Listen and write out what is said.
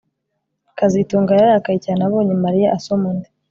kazitunga yararakaye cyane abonye Mariya asoma undi